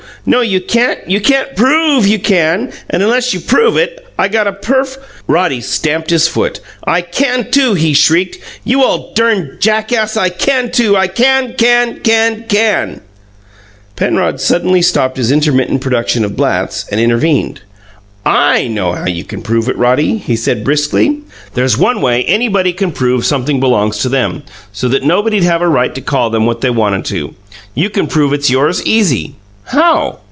"No, you can't. You can't PROVE you can, and unless you prove it, I got a perf " Roddy stamped his foot. "I can, too!" he shrieked. "You ole durn jackass, I can, too! I can, can, can, can " Penrod suddenly stopped his intermittent production of blats, and intervened. "I know how you can prove it, Roddy," he said briskly. "There's one way anybody can always prove sumpthing belongs to them, so that nobody'd have a right to call them what they wanted to. You can prove it's yours, EASY!" "How?"